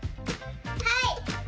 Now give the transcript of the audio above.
はい！